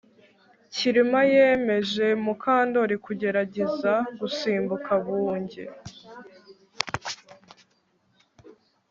Kirima yemeje Mukandoli kugerageza gusimbuka bungee